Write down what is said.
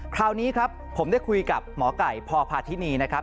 คราวนี้ครับผมได้คุยกับหมอไก่พพาธินีนะครับ